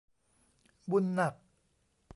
บุญหนัก